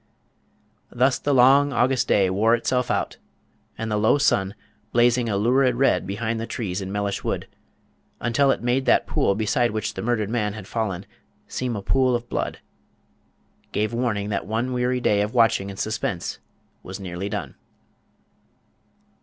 Thus the long August day wore itself out, and the low sun blazing a lurid red behind the trees in Mellish Wood, until it made that pool beside which the murdered man had fallen seem a pool of blood gave warning that one weary day of watching and suspense was nearly done.